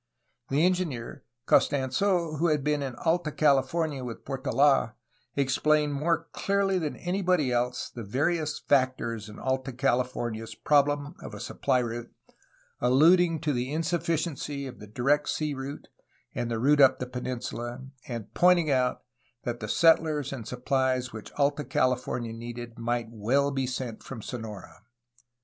The engineer Costans6, who had been in Alta California with Portold, explained more clearly than anybody else the various factors in Alta California's problem of a supply route, alluding to the insufficiency of the direct sea route and the route up the peninsula, and pointing out that the settlers and supphes which Alta Cahfornia needed might well be sent from Sonora.